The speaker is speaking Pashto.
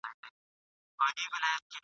نه په ښکار سوای د هوسیانو خوځېدلای ..